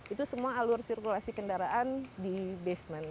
itu semua alur sirkulasi kendaraan di basement